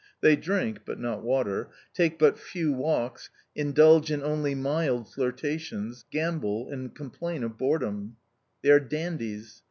They drink but not water take but few walks, indulge in only mild flirtations, gamble, and complain of boredom. They are dandies.